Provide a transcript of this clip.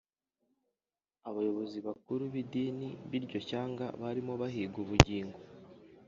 Abayobozi bakuru b’idini b’iryo shyanga barimo bahiga ubugingo